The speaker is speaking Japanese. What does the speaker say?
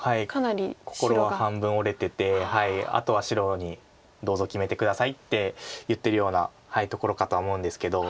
心が半分折れててあとは白に「どうぞ決めて下さい」って言ってるようなところかとは思うんですけど。